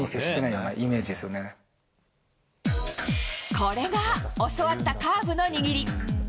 これが教わったカーブの握り。